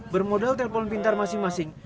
bermodal telpon pintar masing masing